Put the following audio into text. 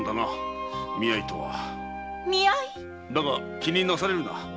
気になされるな。